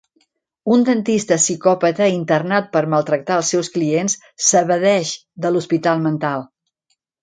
Un dentista psicòpata internat per maltractar els seus clients s'evadeix de l'hospital mental.